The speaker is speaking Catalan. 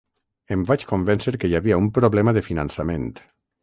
Em vaig convèncer que hi havia un problema de finançament.